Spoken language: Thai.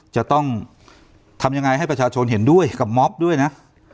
จะต้องทำยังไงให้ประชาชนเห็นด้วยกับม็อบด้วยนะ